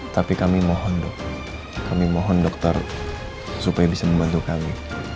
tapi kami mohon dok kami mohon dokter supaya bisa membantu kami